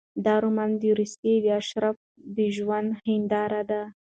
دا رومان د روسیې د اشرافو د ژوند هینداره ده.